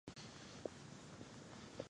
ولې ځینې موخې ناکامه کېږي؟